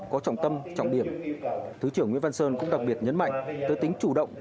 có trọng tâm trọng điểm thứ trưởng nguyễn văn sơn cũng đặc biệt nhấn mạnh tới tính chủ động